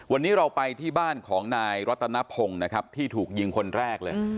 วันนี้เราไปที่บ้านของนายรัตนพงศ์นะครับที่ถูกยิงคนแรกเลย